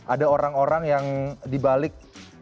ada orang orang yang dibalik